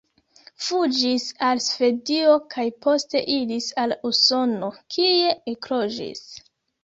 Fuĝis al Svedio kaj poste iris al Usono, kie ekloĝis.